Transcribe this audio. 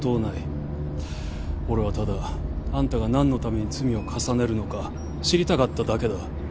俺はただあんたが何のために罪を重ねるのか知りたかっただけだ。